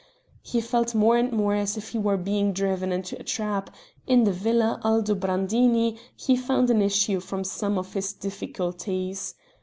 He felt more and more as if he were being driven into a trap; in the Villa Aldobrandini he found an issue from some of his difficulties.